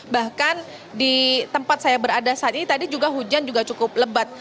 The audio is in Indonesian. bahkan di tempat saya berada saat ini tadi juga hujan juga cukup lebat